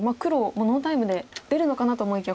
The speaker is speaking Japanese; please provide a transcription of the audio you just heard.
もうノータイムで出るのかなと思いきや